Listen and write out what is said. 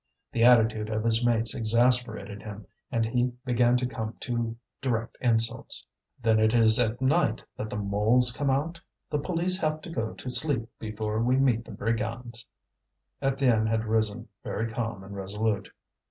The attitude of his mates exasperated him, and he began to come to direct insults. "Then it is at night that the moles come out? The police have to go to sleep before we meet the brigands." Étienne had risen, very calm and resolute.